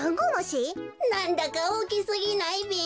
なんだかおおきすぎないべ？